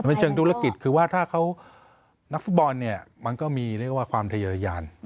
ในเชิงธุรกิจคือว่าถ้าเขานักฟุตบอลเนี่ยมันก็มีเรียกว่าความทะเยอรยาน